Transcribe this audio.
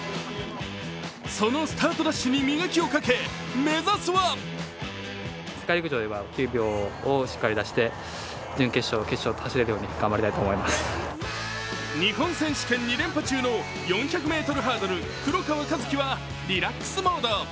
そのスタートダッシュに磨きをかけ、目指すは日本選手権２連覇中の４００ｍハードル・黒川和樹はリラックスモード。